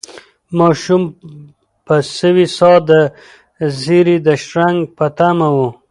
ماشوم په سوې ساه د زېري د شرنګ په تمه و.